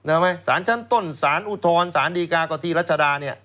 ได้ไหมสารชั้นต้นสารอุทธรรมสารดีกากฎิรัชดาเนี่ย